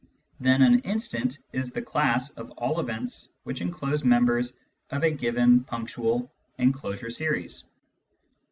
Then an " instant " is the class of all events which enclose members of a given punctual enclosure series.